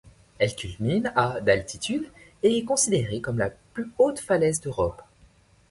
Elle culmine à d'altitude, et est considérée comme la plus haute falaise d'Europe.